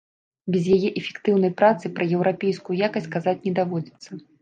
Без яе эфектыўнай працы пра еўрапейскую якасць казаць не даводзіцца.